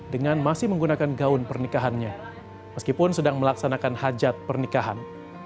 dengan masih menggunakan gaun pernikahannya meskipun sedang melaksanakan hajat pernikahan